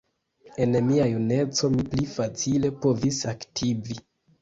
En mia juneco mi pli facile povis aktivi.